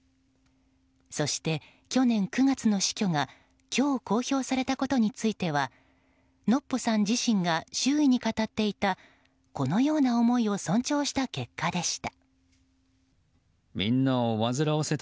そして去年９月の死去が今日公表されたことについてはのっぽさん自身が周囲に語っていたこのような思いを尊重した結果でした。